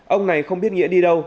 ông này không biết nghĩa đi đâu